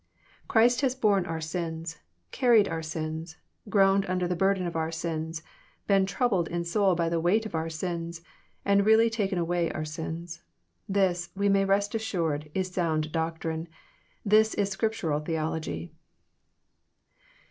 Christ has borne our sins, carried our sins, groaned under the burden of our sins, been " troubled in soul by the weight of our sins, and really taken away our sins. This, we may rest assured, is sound doctrine : this is Scriptural theology.